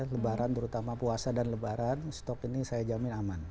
lebaran terutama puasa dan lebaran stok ini saya jamin aman